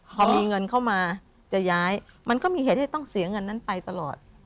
พอมีเงินเข้ามาจะย้ายมันก็มีเหตุที่จะต้องเสียเงินนั้นไปตลอด